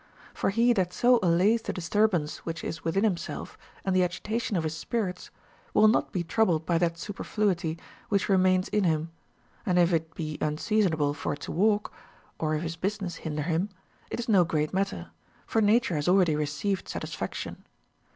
For he that so allays the dis turbance which is Λvithin himself and the agitation of his spirits ΛνΠΙ not be troubled by that superfluity which re mains in him ; and if it be unseasonable for to Avalk, or if his business hinder him, it is no great matter; for nature has already received satisfaction.